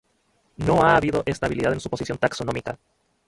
No ha habido estabilidad en su posición taxonómica.